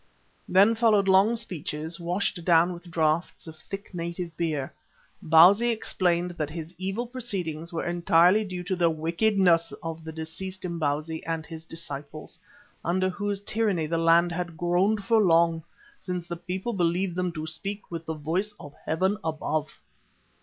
Then followed long speeches, washed down with draughts of thick native beer. Bausi explained that his evil proceedings were entirely due to the wickedness of the deceased Imbozwi and his disciples, under whose tyranny the land had groaned for long, since the people believed them to speak "with the voice of 'Heaven Above.